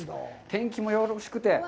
天気もよろしくて。